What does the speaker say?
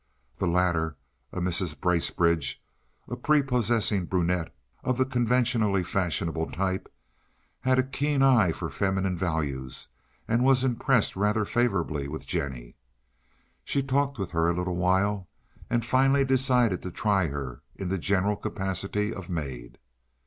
The latter, a Mrs. Bracebridge, a prepossessing brunette of the conventionally fashionable type, had a keen eye for feminine values and was impressed rather favorably with Jennie. She talked with her a little while, and finally decided to try her in the general capacity of maid.